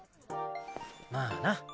まあな。